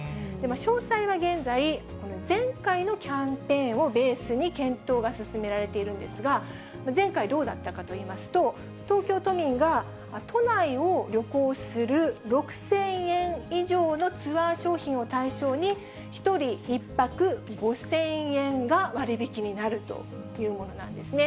詳細は現在、前回のキャンペーンをベースに検討が進められているんですが、前回、どうだったかといいますと、東京都民が都内を旅行する６０００円以上のツアー商品を対象に、１人１泊５０００円が割引になるというものなんですね。